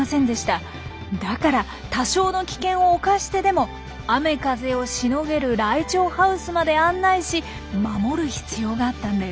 だから多少の危険を冒してでも雨風をしのげるライチョウハウスまで案内し守る必要があったんです。